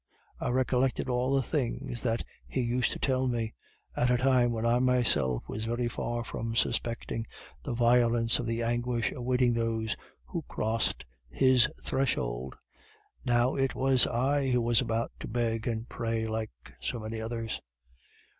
I recollected all the things that he used to tell me, at a time when I myself was very far from suspecting the violence of the anguish awaiting those who crossed his threshold. Now it was I who was about to beg and pray like so many others.